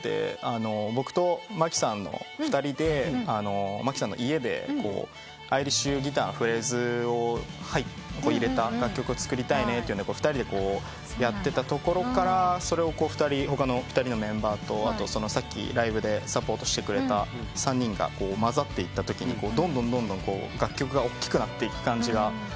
僕と牧さんの２人で牧さんの家でアイリッシュギターのフレーズを入れた楽曲を作りたいねと２人でやってたところからそれを他の２人のメンバーとさっきライブでサポートしてくれた３人が交ざっていったときにどんどん楽曲がおっきくなっていく感じがすごい感じられて。